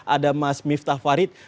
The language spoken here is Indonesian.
ada mas miftah farid